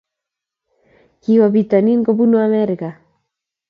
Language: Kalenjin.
Kiwo bitonin kubunu America